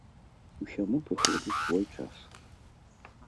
Усяму прыходзіць свой час.